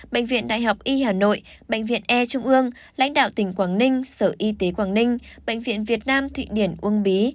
bệnh viện đại học y hà nội bệnh viện e trung ương lãnh đạo tỉnh quảng ninh sở y tế quảng ninh bệnh viện việt nam thụy điển uông bí